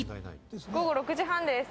午後６時半です。